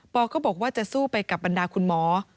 ก็บอกว่าจะสู้ไปกับบรรดาคุณหมอ